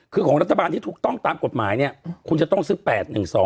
คือของรัฐบาลที่ถูกต้องตามกฎหมายเนี่ยคุณจะต้องซื้อ๘๑๒